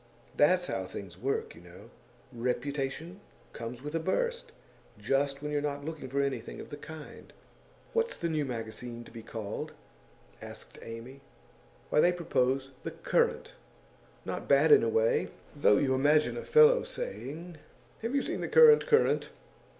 That's how things work, you know; reputation comes with a burst, just when you're not looking for anything of the kind.' 'What's the new magazine to be called?' asked Amy. 'Why, they propose The Current. Not bad, in a way; though you imagine a fellow saying "Have you seen the current Current?"